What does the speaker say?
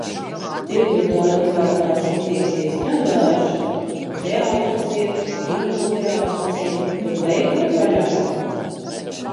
Tirgotāju lobētāji cītīgi piestrādājuši? Teātri ciet, kinoteātri ciet, bet veikali vaļā?